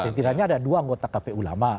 setidaknya ada dua anggota kpu lama